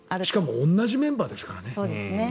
しかも同じメンバーですからね